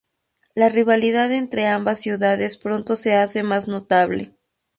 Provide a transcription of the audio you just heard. La rivalidad entre ambas ciudades pronto se hace más notable.